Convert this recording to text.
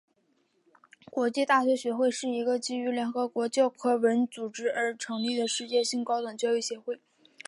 国际大学协会是一个基于联合国教科文组织而成立的世界性高等教育协会。